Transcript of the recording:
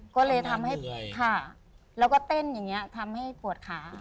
ก็เลยทำให้ผ่าแล้วก็เต้นอย่างนี้ทำให้ปวดขา